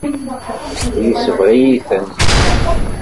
Yesbeɣ-iyi-tent.